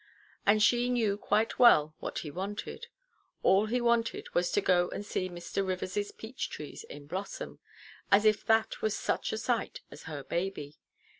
And she knew quite well what he wanted. All he wanted was to go and see Mr. Riversʼs peach–trees in blossom, as if that was such a sight as her baby.